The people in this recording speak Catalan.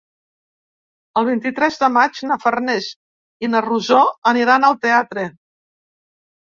El vint-i-tres de maig na Farners i na Rosó aniran al teatre.